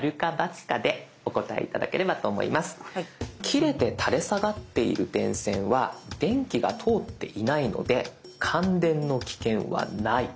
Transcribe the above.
「切れて垂れ下がっている電線は電気が通っていないので感電の危険はない」。